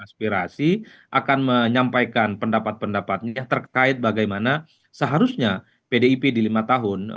aspirasi akan menyampaikan pendapat pendapatnya terkait bagaimana seharusnya pdip di lima tahun